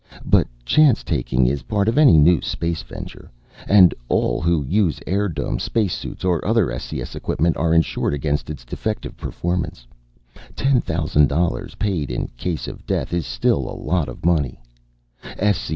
"But chance taking is part of any new space venture. And all who use airdomes, spacesuits, or other S.C.S. equipment, are insured against its defective performance. Ten thousand dollars, paid in case of death, is still a lot of money.